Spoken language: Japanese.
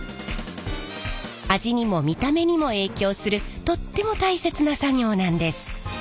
味にも見た目にも影響するとっても大切な作業なんです。